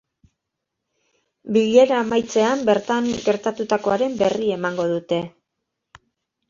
Bilera amaitzean bertan gertatutakoaren berri emango dute.